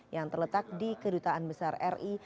yang terletak di kedutaan besar ri